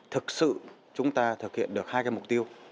thực sự chúng ta thực hiện được hai cái mục tiêu